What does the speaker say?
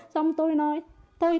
xong tôi nói